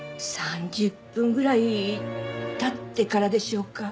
３０分ぐらい経ってからでしょうか。